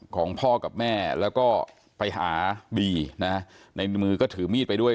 ของพ่อกับแม่แล้วก็ไปหาบีนะในมือก็ถือมีดไปด้วย